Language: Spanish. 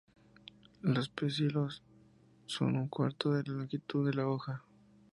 Los pecíolos son un cuarto de la longitud de la hoja.